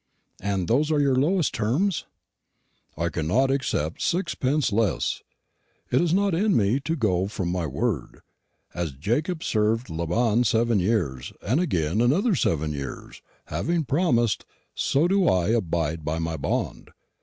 "And those are your lowest terms?" "I cannot accept sixpence less. It is not in me to go from my word. As Jacob served Laban seven years, and again another seven years, having promised, so do I abide by my bond.